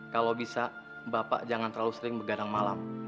kalau bisa bapak jangan terlalu sering bergadang malam